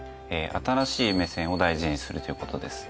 新しい目線を大事にするということです。